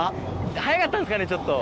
早かったんですかねちょっと。